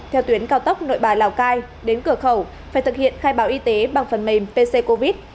theo tuyến cao tốc nội bài lào cai đến cửa khẩu phải thực hiện khai báo y tế bằng phần mềm pc covid